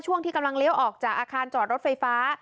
ช่วงที่กำลังเลี้ยวออกจากอาคารจอดรถไฟฟ้า